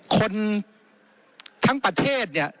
คนทั้งประเทศ